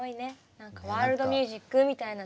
何かワールドミュージックみたいなね。